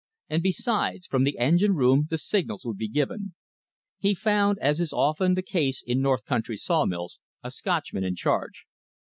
And besides, from the engine room the signals would be given. He found, as is often the case in north country sawmills, a Scotchman in charge.